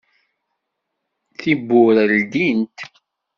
Tiwwura ldint.